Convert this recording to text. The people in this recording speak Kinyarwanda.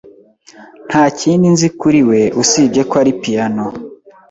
Nta kindi nzi kuri we usibye ko ari piyano.